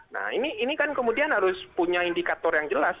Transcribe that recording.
nah ini kan kemudian harus punya indikator yang jelas